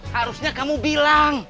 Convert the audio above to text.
harusnya kamu bilang